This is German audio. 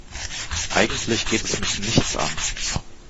Eigentlich geht es mich nichts an.